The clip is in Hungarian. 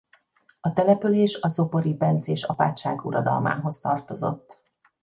A település a zobori bencés apátság uradalmához tartozott.